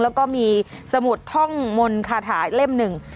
แล้วก็มีสมุดท่องมนต์คาถาเล่มหนึ่ง